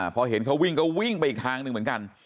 พอเห็นเขาวิ่งก็วิ่งไปอีกทางหนึ่งเหมือนกัน